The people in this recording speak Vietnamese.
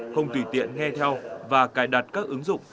không tùy tiện nghe theo và cài đặt các ứng dụng